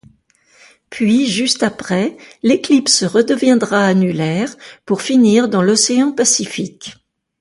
Puis juste après, l'éclipse redeviendra annulaire, pour finir dans l'océan Pacifique.